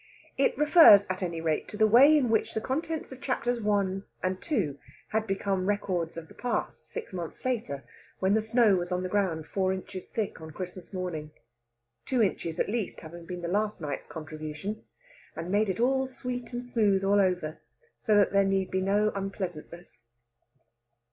It refers, at any rate, to the way in which the contents of Chapters I. and II. had become records of the past six months later, when the snow was on the ground four inches thick on Christmas morning two inches, at least, having been last night's contribution and made it all sweet and smooth all over so that there need be no unpleasantness.